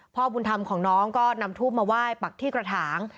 พ่อบุญธรรมของน้องก็นำทูปมาไหว้ปักที่กระถาง